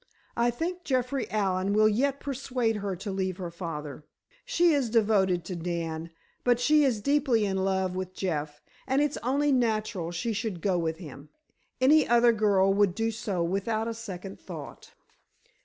I think Jeffrey Allen will yet persuade her to leave her father. She is devoted to Dan, but she is deeply in love with Jeff and it's only natural she should go with him. Any other girl would do so without a second thought.